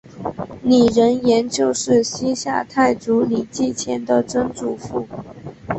李仁颜就是西夏太祖李继迁的曾祖父。